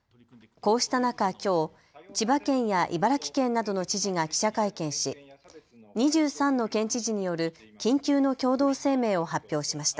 こうした中、きょう千葉県や茨城県などの知事が記者会見し２３の県知事による緊急の共同声明を発表しました。